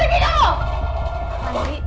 pergi dari sini